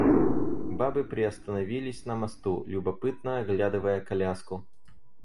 Бабы приостановились на мосту, любопытно оглядывая коляску.